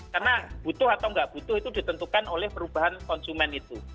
karena butuh atau nggak butuh itu ditentukan oleh perubahan konsumen itu